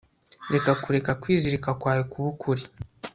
reka kureka kwizirika kwawe kuba ukuri